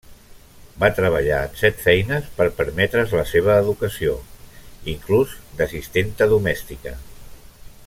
Va treballar en set feines per permetre's la seva educació, inclús d'assistenta domèstica.